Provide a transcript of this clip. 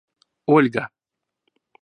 Ольга